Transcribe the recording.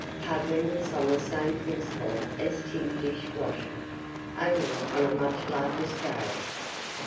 Puddling is on the same principle as tin dish washing, only on a much larger scale.